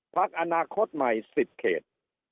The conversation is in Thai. พักอนาคตใหม่๑๐เขต